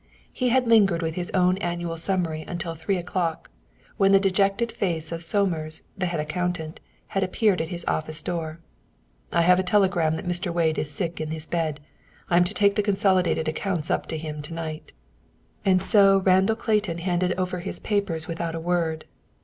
He had lingered with his own annual summary until three o'clock, when the dejected face of Somers, the head accountant, had appeared at his office door. "I have a telegram that Mr. Wade is sick in his bed. I am to take the consolidated accounts up to him to night." And so Randall Clayton handed over his papers without a word.